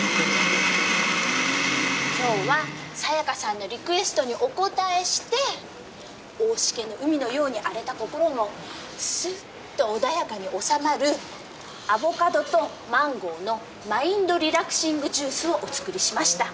今日はさやかさんのリクエストにお応えして大シケの海のように荒れた心もスーッと穏やかに収まるアボカドとマンゴーのマインド・リラクシングジュースをお作りしました。